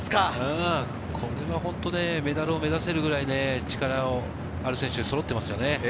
これは本当、メダルを目指せるぐらいの力がある選手がそろっています。